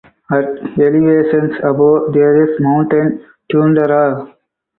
At elevations above there is mountain tundra.